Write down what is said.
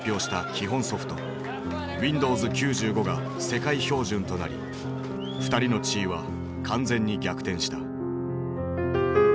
基本ソフトウィンドウズ９５が世界標準となり二人の地位は完全に逆転した。